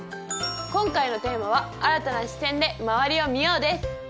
今回のテーマは「新たな視点で周りを見よう」です。